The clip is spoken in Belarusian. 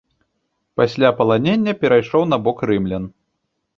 Пасля паланення перайшоў на бок рымлян.